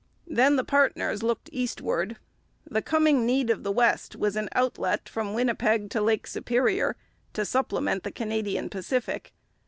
Then the partners looked eastward. The coming need of the West was an outlet from Winnipeg to Lake Superior, to supplement the Canadian Pacific.